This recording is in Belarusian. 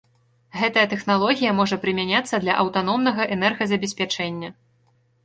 Гэтая тэхналогія можа прымяняцца для аўтаномнага энергазабеспячэння.